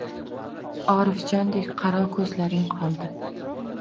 Orifjondek qaro ko‘zlaring qoldi